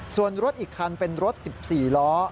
ส่วนรถอีกคันเป็นรถ๑๔ล้อ